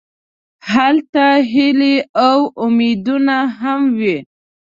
هلته هیلې او امیدونه هم وي.